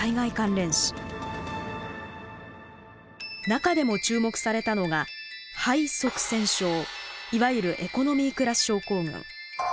中でも注目されたのがいわゆるエコノミークラス症候群。